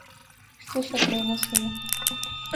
Что насчет моего сына?